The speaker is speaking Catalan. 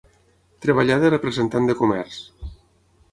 Treballà de representant de comerç.